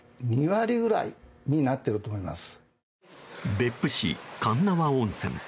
別府市、鉄輪温泉。